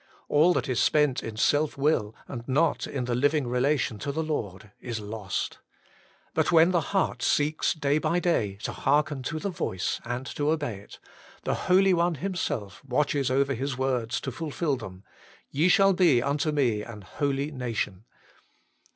All that is spent in self will, and not in the living relation to the Lord, is lost. But when the heart seeks day by day to hearken to the voice and to obey it, the Holy One Himself watches over His words to fulfil them :' Ye shall be unto me an holy nation.'